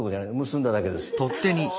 結んだだけです。